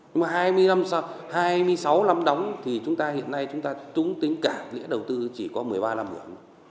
nhưng mà hai mươi sáu lâm đóng thì chúng ta hiện nay chúng ta trúng tính cả lĩa đầu tư chỉ có một mươi ba lâm hưởng